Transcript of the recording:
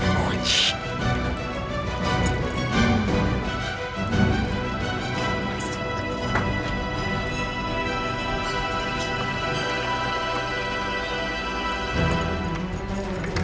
narik angkot ya